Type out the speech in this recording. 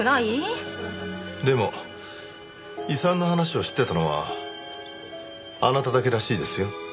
でも遺産の話を知ってたのはあなただけらしいですよ。